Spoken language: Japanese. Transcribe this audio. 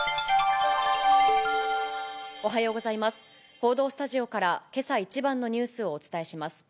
報道スタジオからけさ一番のニュースをお伝えします。